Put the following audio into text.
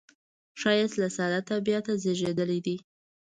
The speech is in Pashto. ښایست له ساده طبعیته زیږېدلی دی